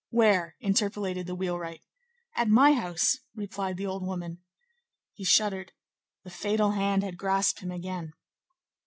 "Where?" interpolated the wheelwright. "At my house," replied the old woman. He shuddered. The fatal hand had grasped him again.